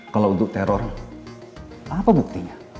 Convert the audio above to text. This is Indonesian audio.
kalau untuk teror apa buktinya